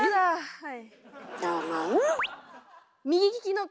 はい。